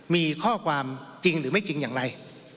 มีข้อความจริงหรือไม่จริงอย่างไร